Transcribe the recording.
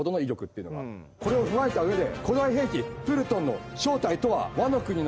これを踏まえた上で。